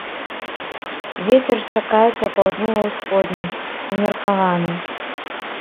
Вецер чакаецца паўднёва-ўсходні ўмеркаваны.